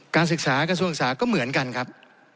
ศึกษากระทรวงศึกษาก็เหมือนกันครับ